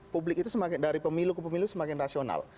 publik itu dari pemilu ke pemilu semakin rasional